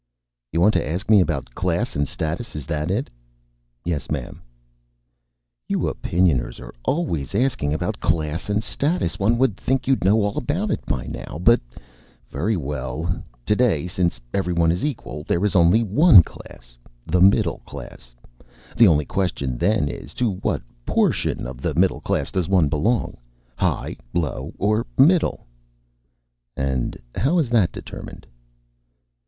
_) "You want to ask me about class and status? Is that it?" "Yes, ma'am." "You Opinioners are always asking about class and status. One would think you'd know all about it by now. But very well. Today, since everyone is equal, there is only one class. The middle class. The only question then is to what portion of the middle class does one belong? High, low, or middle?" "And how is that determined?"